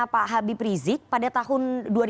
pak habib rizik pada tahun